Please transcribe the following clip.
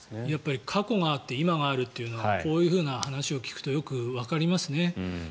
やっぱり過去があって今があるというのはこういうふうな話を聞くとよくわかりますね。